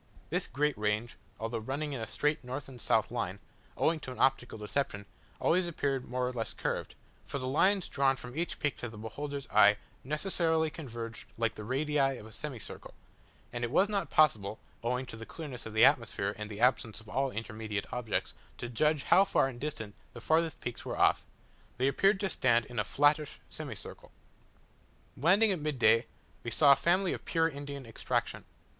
This great range, although running in a straight north and south line, owing to an optical deception, always appeared more or less curved; for the lines drawn from each peak to the beholder's eye, necessarily converged like the radii of a semicircle, and as it was not possible (owing to the clearness of the atmosphere and the absence of all intermediate objects) to judge how far distant the farthest peaks were off, they appeared to stand in a flattish semicircle. Landing at midday, we saw a family of pure Indian extraction.